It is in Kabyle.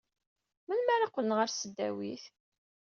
Melmi ara qqlen ɣer tesdawit?